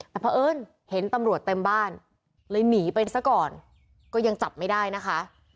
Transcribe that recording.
แต่เพราะเอิญเห็นตำรวจเต็มบ้านเลยหนีไปซะก่อนก็ยังจับไม่ได้นะคะ